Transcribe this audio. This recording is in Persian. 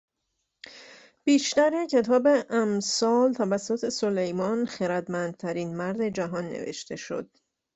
بیشتر کتاب امثال توسط سلیمان خردمندترین مرد جهان نوشته شد